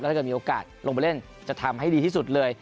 ถ้าเกิดมีโอกาสลงไปเล่นจะทำให้ดีที่สุดเลย